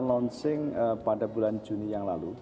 launching pada bulan juni yang lalu